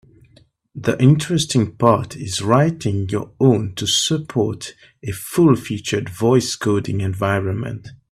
The interesting part is writing your own to support a full-featured voice coding environment.